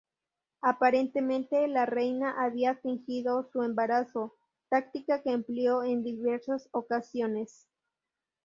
Aparentemente la reina había fingido su embarazo, táctica que empleó en diversas ocasiones.